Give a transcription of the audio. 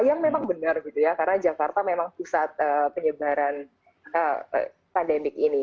yang memang benar gitu ya karena jakarta memang pusat penyebaran pandemik ini